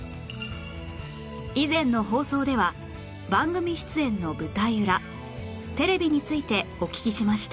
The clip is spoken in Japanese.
以前の放送では番組出演の舞台裏テレビについてお聞きしました